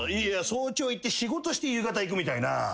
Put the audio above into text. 早朝行って仕事して夕方行くみたいな。